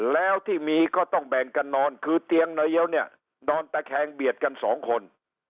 แล้วที่มีก็ต้องแบ่งกันนอนคือเตียงในเดียวเนี่ยนอนตะแคงเบียดกันสองคน